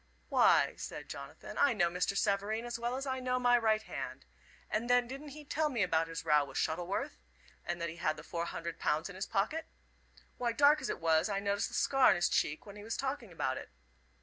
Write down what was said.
"Why," said Jonathan, "I know Mr. Savareen as well as I know my right hand. And then, didn't he tell me about his row with Shuttleworth, and that he had the four hundred pounds in his pocket. Why, dark as it was, I noticed the scar on his cheek when he was talking about it.